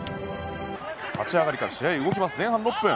立ち上がりから試合が動きます前半６分。